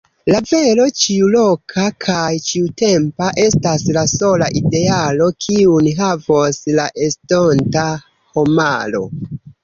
La vero, ĉiuloka kaj ĉiutempa, estas la sola idealo, kiun havos la estonta homaro.